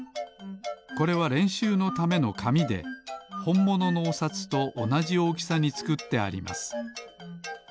これはれんしゅうのためのかみでほんもののおさつとおなじおおきさにつくってあります。